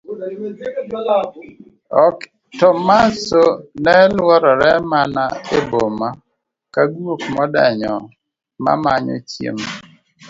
Tomaso ne luorore mana e boma ka guok modenyo mamanyo chiemo.